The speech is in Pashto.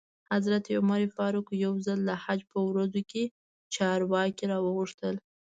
حضرت عمر فاروق یو ځل د حج په ورځو کې چارواکي را وغوښتل.